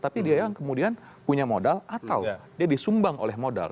tapi dia yang kemudian punya modal atau dia disumbang oleh modal